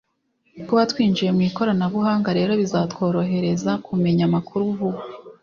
kuba twinjiye mu ikoranabuhanga rero bizatworohereza kumenya amakuru vuba